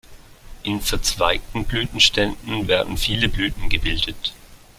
In verzweigten Blütenständen werden viele Blüten gebildet.